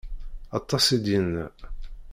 Aṭas i d-yenna.